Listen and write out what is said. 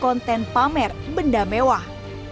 konten pamer benda mewah